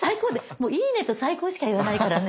もう「いいね」と「最高」しか言わないからね。